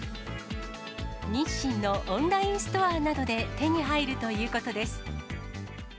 日清のオンラインストアなどで手に入るということです。